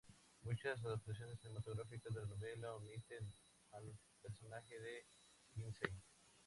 Muchas adaptaciones cinematográficas de la novela omiten al personaje de Quincey.